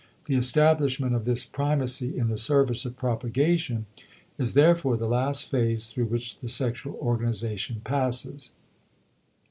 The establishment of this primacy in the service of propagation is therefore the last phase through which the sexual organization passes.